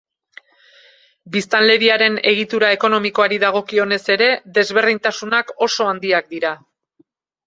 Biztanleriaren egitura ekonomikoari dagokionez ere, desberdintasunak oso handiak dira.